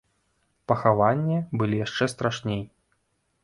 Пахаванне былі яшчэ страшней.